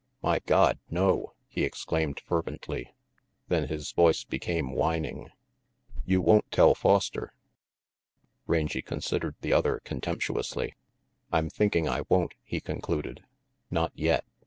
"My God, no!" he exclaimed fervently; then his voice became whining, "You won't tell Foster?" Rangy considered the other contemptuously. "I'm thinking I won't," he concluded. "Not yet.